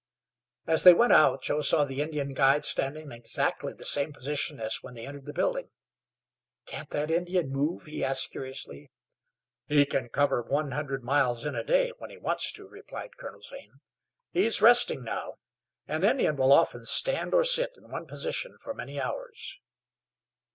As they went out Joe saw the Indian guide standing in exactly the same position as when they entered the building. "Can't that Indian move?" he asked curiously. "He can cover one hundred miles in a day, when he wants to," replied Colonel Zane. "He is resting now. An Indian will often stand or sit in one position for many hours."